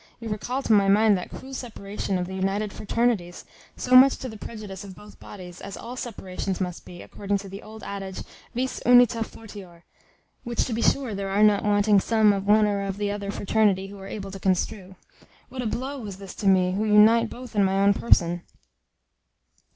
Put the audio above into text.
You recall to my mind that cruel separation of the united fraternities, so much to the prejudice of both bodies, as all separations must be, according to the old adage, Vis unita fortior; which to be sure there are not wanting some of one or of the other fraternity who are able to construe. What a blow was this to me, who unite both in my own person!"